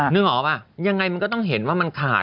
นึกออกป่ะยังไงมันก็ต้องเห็นว่ามันขาด